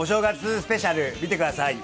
スペシャルを見てください。